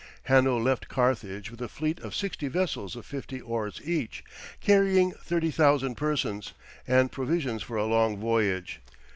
Hanno left Carthage with a fleet of sixty vessels of fifty oars each, carrying 30,000 persons, and provisions for a long voyage.